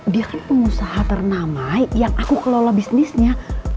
dia kan pengusaha ternamai yang aku kelola bisnisnya